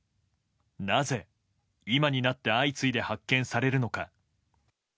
なぜ今になって相次いで発見されるのか。